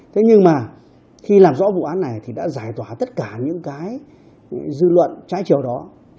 thế nhưng mà khi làm rõ vụ án này thì đã giải tỏa tất cả những cái dư luận trái chiều đó